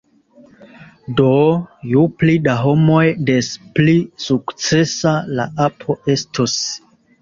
Do, ju pli da homoj, des pli sukcesa la apo estos